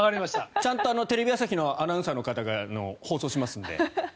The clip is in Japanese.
ちゃんとテレビ朝日のアナウンサーの方が放送しますので。